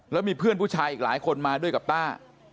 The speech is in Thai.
แล้วมีเพื่อนผู้ชายอีกหลายคนมาด้วยกับต้า